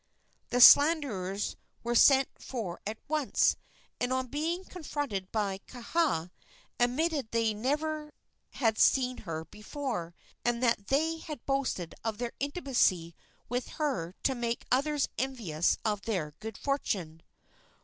The slanderers were sent for at once, and, on being confronted by Kaha, admitted that they had never seen her before, and that they had boasted of their intimacy with her to make others envious of their good fortune.